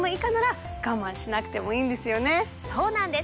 そうなんです！